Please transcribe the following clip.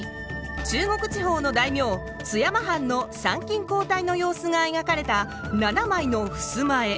中国地方の大名津山藩の参勤交代の様子がえがかれた７枚のふすま絵。